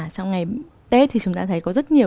trong ngày tết thì chúng ta thấy có rất nhiều